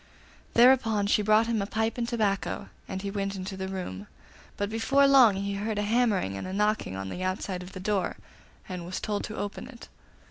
Thereupon she brought him a pipe and tobacco, and he went into the room; but before long he heard a hammering and knocking on the outside of the door, and was told to open it.